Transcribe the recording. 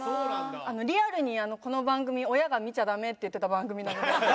リアルにこの番組親が「見ちゃダメ」って言ってた番組なので。